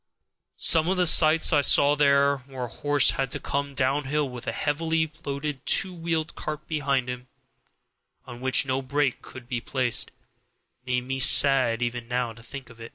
Some of the sights I saw there, where a horse had to come downhill with a heavily loaded two wheel cart behind him, on which no brake could be placed, make me sad even now to think of.